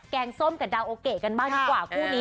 งส้มกับดาวโอเกะกันบ้างดีกว่าคู่นี้